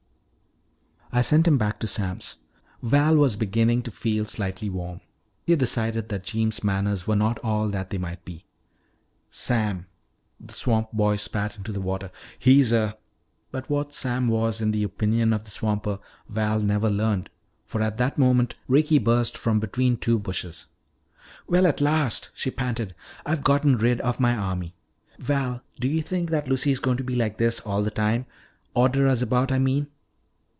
"I sent him back to Sam's." Val was beginning to feel slightly warm. He decided that Jeems' manners were not all that they might be. "Sam!" the swamp boy spat into the water. "He's a " But what Sam was, in the opinion of the swamper, Val never learned, for at that moment Ricky burst from between two bushes. "Well, at last," she panted, "I've gotten rid of my army. Val, do you think that Lucy is going to be like this all the time order us about, I mean?"